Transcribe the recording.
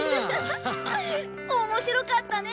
面白かったね！